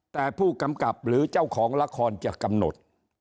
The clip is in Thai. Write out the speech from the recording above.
แต่ผู้กำกับหรือเจ้าของละครจะกำหนด